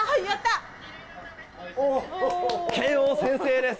慶應先制です。